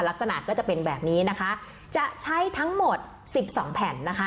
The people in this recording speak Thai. ลักษณะก็จะเป็นแบบนี้นะคะจะใช้ทั้งหมดสิบสองแผ่นนะคะ